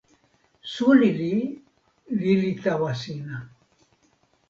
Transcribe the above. suli li lili tawa sina.